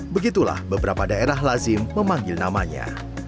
begitulah beberapa daerah lazim memanggil namanya